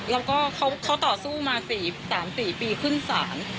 แล้วก็เขาต่อสู้มา๓๔ปีขึ้นศาล